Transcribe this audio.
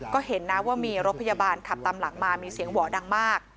ก็เห็นนะว่ามีรถพยาบาลขับตามหลังมามีเสียงหว่อดังมาก